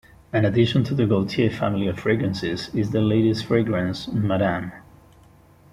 An addition to the Gaultier family of fragrances is the ladies fragrance "Ma Dame".